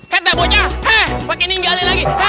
hei bocah hei pakai ninggalin lagi